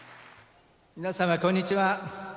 皆様こんにちは。